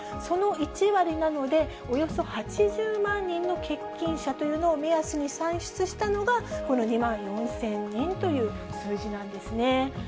その１割なので、およそ８０万人の欠勤者というのを目安に算出したのが、この２万４０００人という数字なんですね。